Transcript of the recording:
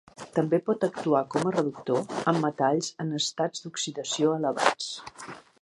També pot actuar com a reductor amb metalls en estats d’oxidació elevats.